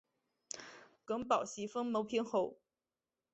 耿宝袭封牟平侯。